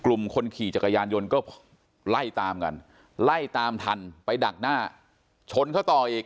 คนขี่จักรยานยนต์ก็ไล่ตามกันไล่ตามทันไปดักหน้าชนเขาต่ออีก